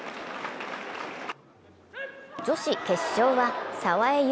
女子決勝は澤江優